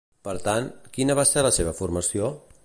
Per tant, quina va ser la seva formació?